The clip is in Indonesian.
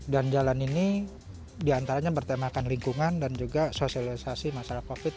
dan jalan ini diantaranya bertemakan lingkungan dan juga sosialisasi masalah covid sembilan belas